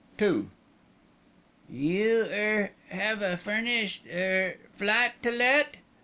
II "You er have a furnished er flat to let."